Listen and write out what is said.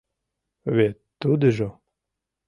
Вет тудыжо...